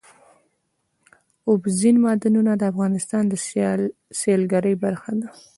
اوبزین معدنونه د افغانستان د سیلګرۍ برخه ده.